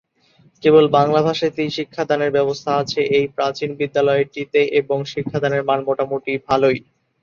কেবল বাংলা ভাষাতেই শিক্ষাদানের ব্যবস্থা আছে এই প্রাচীন বিদ্যালয়টিতে এবং শিক্ষাদানের মান মোটামুটি ভালোই।